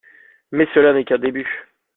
Mais cela n'est qu'un début.